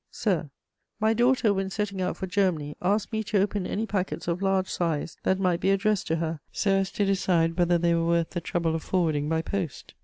"SIR, "My daughter, when setting out for Germany, asked me to open any packets of large size that might be addressed to her, so as to decide whether they were worth the trouble of forwarding by post.